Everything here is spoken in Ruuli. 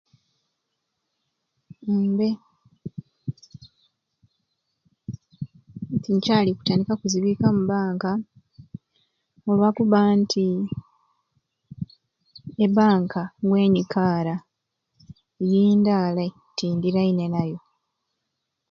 Mbe nkyali kutandika kuzibika mu banka olwakuba nti ebanka wenyikaara yindi alai tindiraine nayo.